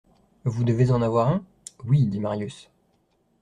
Vous devez en avoir un ? Oui, dit Marius.